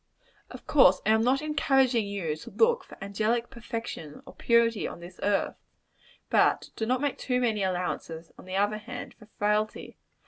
Of course, I am not encouraging you to look for angelic perfection or purity on this earth; but do not make too many allowances, on the other hand, for frailty.